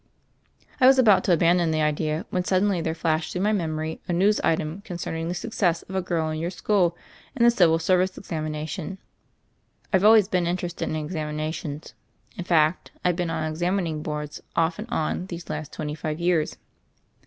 I was about to abandon the idea when suddenly there flashed through my memory a news item con cerning the success of a girl in your school in the Civil Service examination. I've always been in terested in examinations; in fact, I've been on examining boards off and on these last twenty five years."